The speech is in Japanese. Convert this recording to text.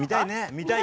見たい！